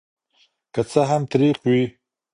که څه هم تریخ وي.